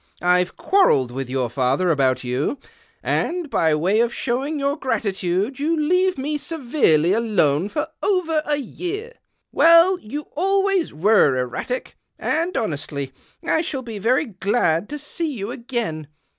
I've Cjuarrelled with your father about you ; and, by way of showing your gratitude, you leave me severely alone for over a year. Well, you always were erratic, and, honestly, I shall be very glad to see you again.